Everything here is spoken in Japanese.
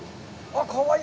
かわいい。